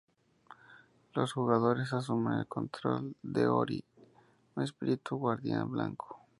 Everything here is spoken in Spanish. Los jugadores asumen el control de Ori, un espíritu guardián blanco.